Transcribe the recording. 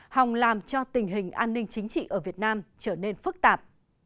hòng làm cho tình hình an ninh chính trị ở việt nam trở nên phức tạp